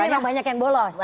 jadi memang banyak yang bolos